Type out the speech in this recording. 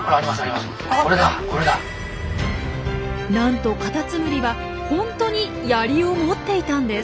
なんとカタツムリはホントにヤリを持っていたんです。